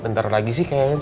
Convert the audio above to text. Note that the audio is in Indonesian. bentar lagi sih kayaknya